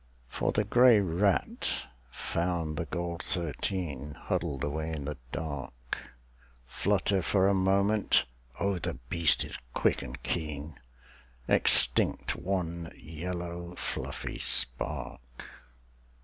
For the grey rat found the gold thirteen Huddled away in the dark, Flutter for a moment, oh the beast is quick and keen, Extinct one yellow fluffy spark.